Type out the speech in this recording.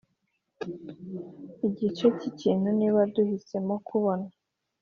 igice c'ikintu niba duhisemo kubona